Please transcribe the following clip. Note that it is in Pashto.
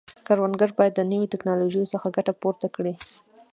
کروندګر باید د نوو ټکنالوژیو څخه ګټه پورته کړي.